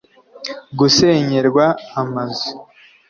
gusenyerwa amazu